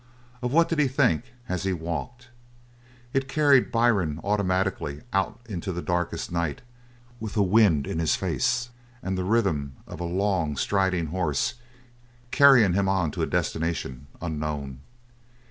Of what did he think as he walked? It carried Byrne automatically out into the darkest night, with a wind in his face, and the rhythm of a long striding horse carrying him on to a destination unknown.